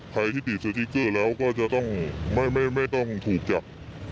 ใครที่ติดโซทิเจอร์แล้วก็จะต้องไม่ต้องถูกจับ